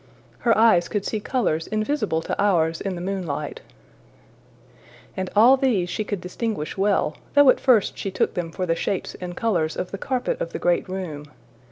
Her eyes could see colors invisible to ours in the moonlight, and all these she could distinguish well, though at first she took them for the shapes and colors of the carpet of the great room.